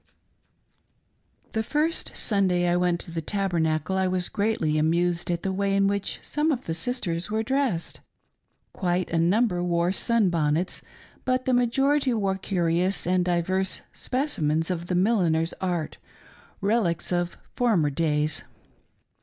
The first Sunday I went to the Tabernacle I was greatly amused at the way in which some of the sisters were dressed. Quite a number wore sun bonnets, but the majority wore curious and diverse Specimens of the milliner's art — relics of •former days.